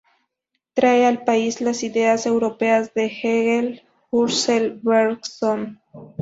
Trae al país las ideas europeas de Hegel, Husserl, Bergson.